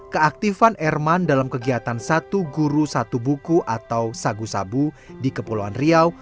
keaktifan erman dalam kegiatan satu guru satu buku atau sagu sabu di kepulauan riau